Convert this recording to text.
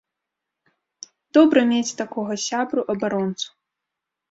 Добра мець такога сябру-абаронцу!